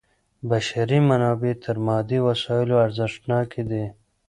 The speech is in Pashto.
بشري منابع تر مادي وسایلو ارزښتناکي دي.